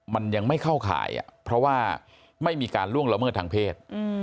มันยังไม่เข้าข่ายเพราะว่าไม่มีการล่วงละเมิดทางเพศ